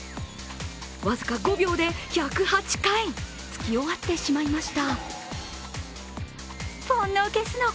僅か５秒で、１０８回つき終わってしまいました。